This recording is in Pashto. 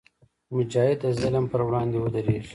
مجاهد د ظلم پر وړاندې ودریږي.